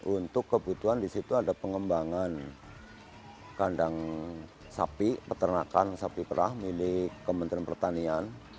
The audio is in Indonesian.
untuk kebutuhan di situ ada pengembangan kandang sapi peternakan sapi perah milik kementerian pertanian